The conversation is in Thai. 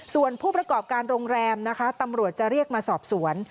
ส่วนผู้ประกอบการโรงแรมนะคะตำรวจจะเรียกมาสอบสวน